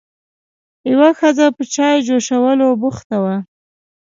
یوه ښځه په چای جوشولو بوخته وه.